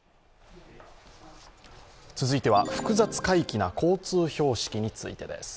続いては複雑怪奇な交通標識についてです。